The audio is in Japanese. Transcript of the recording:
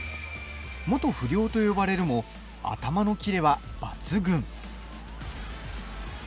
元不良と呼ばれるも頭の切れは抜群。